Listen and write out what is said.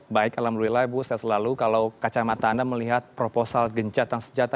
baik alhamdulillah ibu saya selalu kalau kacamata anda melihat proposal gencatan senjata